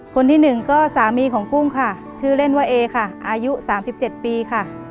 คนที่หนึ่งก็สามีของกุ้งค่ะชื่อเล่นว่าเอค่ะอายุ๓๗ปีค่ะ